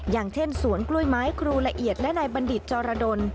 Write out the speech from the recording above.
อย่างเช่นสวนกล้วยไม้ครูละเอียดและนายบัณฑิตจรดล